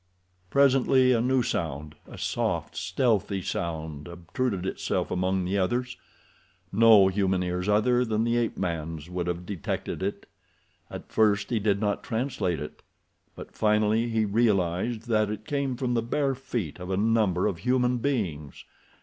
Presently a new sound—a soft, stealthy sound—obtruded itself among the others. No human ears other than the ape man's would have detected it. At first he did not translate it, but finally he realized that it came from the bare feet of a number of human beings.